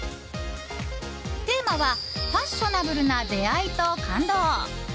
テーマはファッショナブルな出会いと感動。